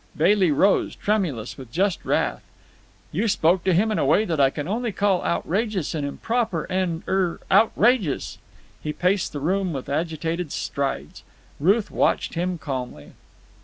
Bailey rose, tremulous with just wrath. "You spoke to him in a way that I can only call outrageous and improper, and—er—outrageous." He paced the room with agitated strides. Ruth watched him calmly.